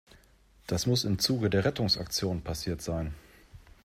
Das muss im Zuge der Rettungsaktion passiert sein.